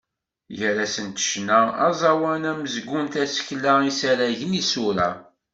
Gar-asent ccna, aẓawan, amezgun, tasekla, isaragen, isura.